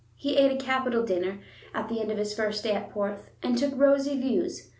He ate a capital dinner, at the end of his first day at Porth and took rosy views.